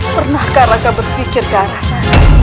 pernahkah raga berpikir ke arah sana